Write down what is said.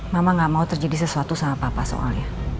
mama gak mau terjadi sesuatu sama papa soalnya